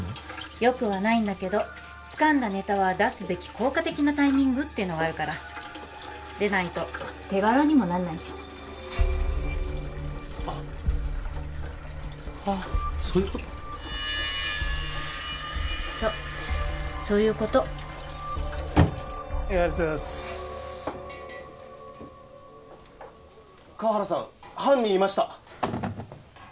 よくはないんだけどつかんだネタは出すべき効果的なタイミングってのがあるからでないと手柄にもなんないしあそういうことそうそういうことありがとうございます河原さん犯人いました